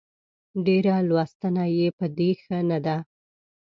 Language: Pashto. ډېره لوستنه يې په دې ښه نه ده